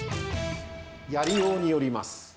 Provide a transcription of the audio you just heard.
やりようによります。